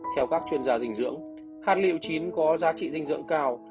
theo các chuyên gia dinh dưỡng hạt liệu chín có giá trị dinh dưỡng cao